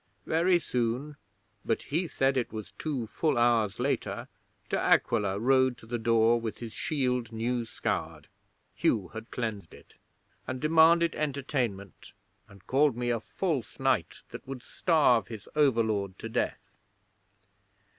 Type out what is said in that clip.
'Very soon but he said it was two full hours later De Aquila rode to the door, with his shield new scoured (Hugh had cleansed it), and demanded entertainment, and called me a false knight, that would starve his overlord to death.